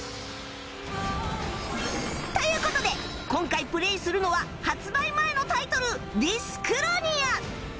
という事で今回プレイするのは発売前のタイトル『ディスクロニア』！